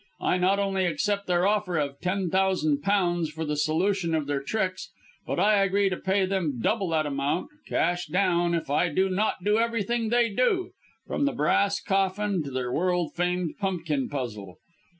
I not only accept their offer of ten thousand pounds for the solution of their tricks, but I agree to pay them double that amount cash down if I do not do everything they do from 'The Brass Coffin' to their world famed 'Pumpkin Puzzle.'